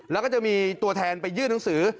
แล้วก็จะมีตัวแทนไปยื่นหนังสือ